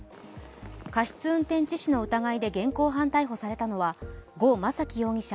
過失運転致死の疑いで現行犯逮捕されたのは呉昌樹容疑者